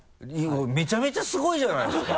めちゃめちゃすごいじゃないですか！